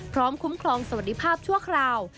พร้อมคุ้มครองสวัสดิภาพชั่วคราว